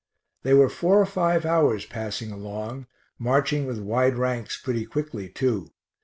They were four or five hours passing along, marching with wide ranks pretty quickly, too.